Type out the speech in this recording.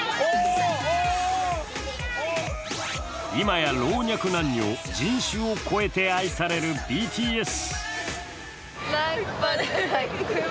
今や老若男女、人種を越えて愛されるＢＴＳ。